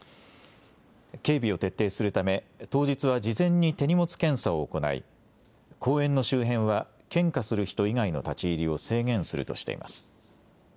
警備を徹底するため当日は事前に手荷物検査を行い公園の周辺は献花する人以外の立ち入りを制限するとしています。